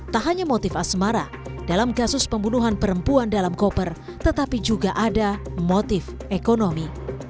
tak hanya motif asmara dalam kasus pembunuhan perempuan dalam koper tetapi juga ada motif ekonomi